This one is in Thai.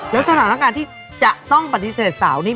แล้วสถานการณ์ที่จะต้องปฏิเสธสาวนี้